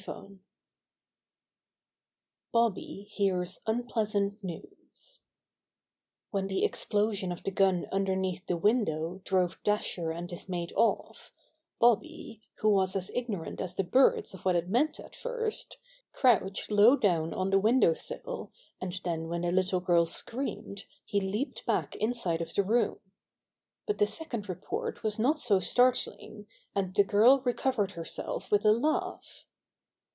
STORY X Bobby Hears Unpleasant News When the explosion of the gun underneath the window drove Dasher and his mate off, Bobby, who was as ignorant as the birds of what it meant at first, crouched low down on the window sill, and then when the little girl screamed he leaped back inside of the room. But the second report was not so startling, and the girl recovered herself with a laugh.